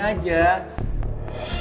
tante aku mau nyelepon